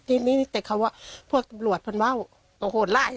เพื่อดูสุภาพที่เสื้อมาได้